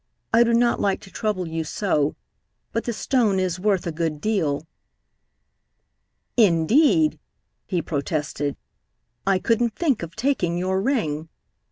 I do not like to trouble you so, but the stone is worth a good deal." "Indeed," he protested, "I couldn't think of taking your ring.